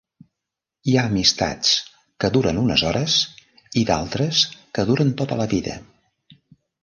Hi ha amistats que duren unes hores i d'altres que duren tota la vida.